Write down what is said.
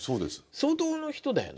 相当の人だよね。